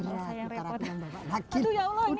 biasa yang repot